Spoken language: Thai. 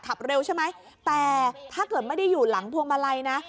ขับเร็วใช่ไหมแต่ถ้าเกิดไม่ได้อยู่หลังพวงมาลัยนะ